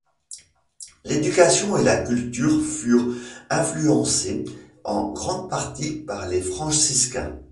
L'éducation et la culture furent influencées en grande partie par les Franciscains.